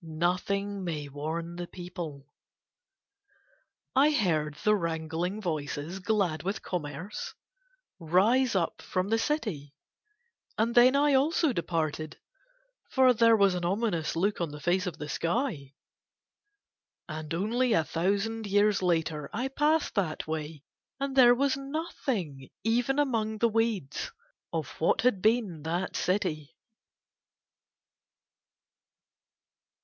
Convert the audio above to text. Nothing may warn the people." I heard the wrangling voices, glad with commerce, rise up from the city. And then I also departed, for there was an ominous look on the face of the sky. And only a thousand years later I passed that way, and there was nothing, even among the weeds, of what had been that city.